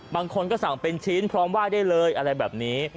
บางคนก็สั่งเป็นชิ้นพร้อมไหว้ได้เลยอะไรแบบนี้